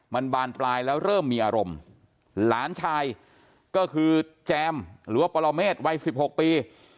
มันบานปลายแล้วเริ่มมีอารมณ์หลานชายก็คือแจมหรือว่าปรเมษวัย๑๖ปี